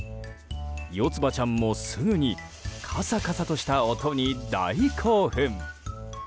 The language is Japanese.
四葉ちゃんもすぐにカサカサとした音に大興奮。